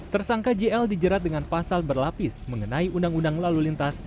tersangka jl dijerat dengan pasal berlapis mengenai undang undang lalu lintas